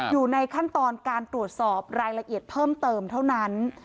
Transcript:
อยู่ในขั้นตอนการตรวจสอบรายละเอียดเพิ่มเติมเท่านั้น